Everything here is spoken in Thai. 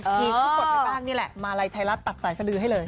ที่เขากดไปบ้างนี่แหละมาลัยไทยรัฐตัดสายสดือให้เลย